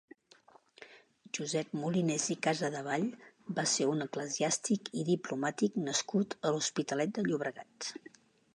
Josep Molines i Casadevall va ser un eclesiàstic i diplomàtic nascut a l'Hospitalet de Llobregat.